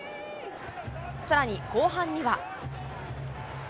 さらに後半には。